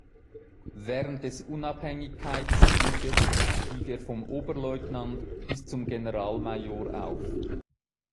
Während des Unabhängigkeitskrieges stieg er vom Oberleutnant bis zum Generalmajor auf.